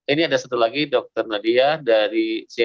ini ada satu lagi dr nadia dari cnn